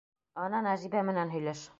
Ана, Нәжибә менән һөйләш.